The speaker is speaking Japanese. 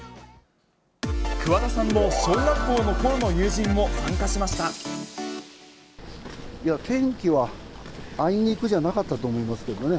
桑田さんの小学校のころの友天気はあいにくじゃなかったと思いますけどね。